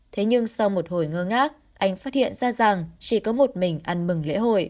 thế nhưng sau một hồi ngơ ngác anh phát hiện ra rằng chỉ có một mình ăn mừng